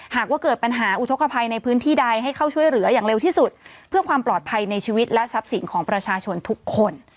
หากว่าเกิดปัญหาอุทธกภัยในพื้นที่ใดให้เข้าช่วยเหลืออย่างเร็วที่สุดเพื่อความปลอดภัยในชีวิตและทรัพย์สินของประชาชนทุกคน